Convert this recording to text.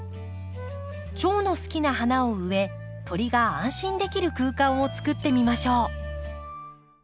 チョウの好きな花を植え鳥が安心できる空間を作ってみましょう。